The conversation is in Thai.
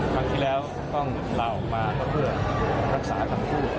ครับคุณอภิกษฐ์